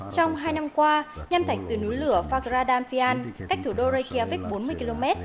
trong hai năm qua nhằm thành từ núi lửa fagradalfjall cách thủ đô reykjavik bốn mươi km